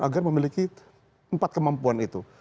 agar memiliki empat kemampuan itu